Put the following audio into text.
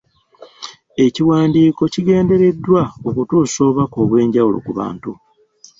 Ekiwandiiko kigendereddwa okutuusa obubaka obw’enjawulo ku bantu.